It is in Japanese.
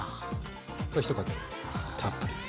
これ１かけ分たっぷり。